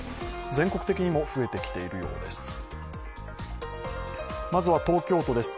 全国的にも増えてきているようです。